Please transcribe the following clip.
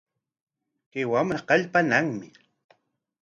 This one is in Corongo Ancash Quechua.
Chay wamra kallpaanaqmi.